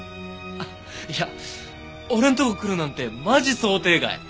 あっいや俺んとこ来るなんてマジ想定外。